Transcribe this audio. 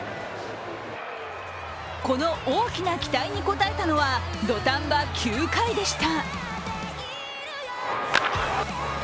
この大きな期待に応えたのは土壇場９回でした。